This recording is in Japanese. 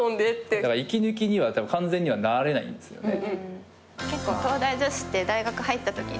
だから息抜きには完全にはなれないんですよね。